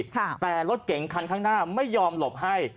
แต่รถเก๋งคันข้างหน้าไม่ยอมหลบให้